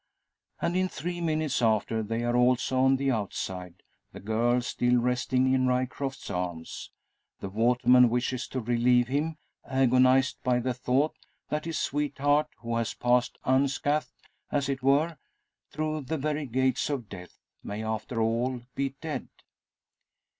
And in three minutes after they are also on the outside, the girl still resting in Ryecroft's arms. The waterman wishes to relieve him, agonised by the thought that his sweetheart, who has passed unscathed, as it were, through the very gates of death, may after all be dead!